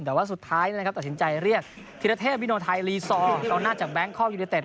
หรือว่าสุดท้ายตัดสินใจเรียกธิระเทพวินทร์ไทยลีซอต่อหน้าจากแบงค์คอมยูนิเต็ต